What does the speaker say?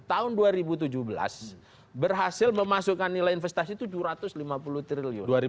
tahun dua ribu tujuh belas berhasil memasukkan nilai investasi tujuh ratus lima puluh triliun